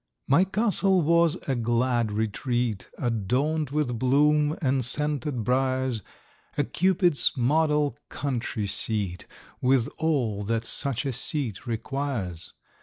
My Castle was a glad retreat, Adorn'd with bloom and scented briars,— A Cupid's model country seat, With all that such a seat requires.